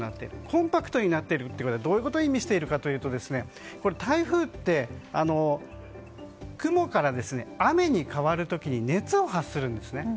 コンパクトになっているということは、どういうことを意味しているかというと台風って雲から雨に変わる時に熱を発するんですね。